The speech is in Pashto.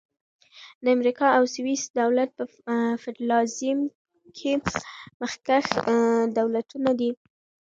د امریکا او سویس دولت په فدرالیزم کښي مخکښ دولتونه دي.